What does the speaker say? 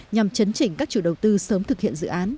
nhằm chấn chỉnh các chủ đầu tư sớm thực hiện dự án